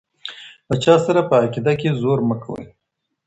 له چا سره په عقيده کي زور مه کوئ.